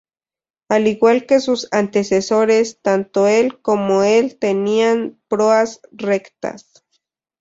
Al igual que sus antecesores, tanto el como el tenían proas rectas.